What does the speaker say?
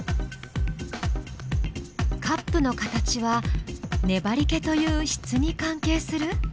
カップの形は「ねばりけ」という「質」に関係する？